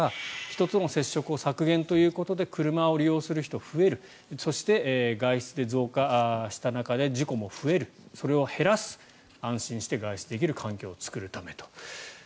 人との接触を削減ということで車の利用者が増えるそして、外出で増加した中で事故も増えるそれを減らす安心して外出できる環境を作るためと。